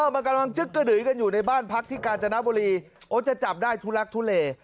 มันกำลังจึ๊กกระดือยกันอยู่ในบ้านพักที่กาญจนบุรีโอ้จะจับได้ทุลักทุเล